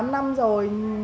tám năm rồi